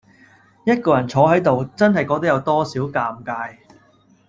一個人坐喺度，真係覺得有多少尷尬